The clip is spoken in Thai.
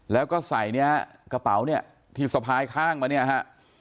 แล้วก็ใส่กระเป๋าที่สะพายข้างมาเนี่ยฮะ